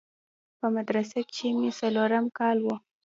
په مدرسه کښې مې څلورم کال و.